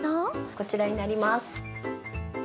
こちらになります。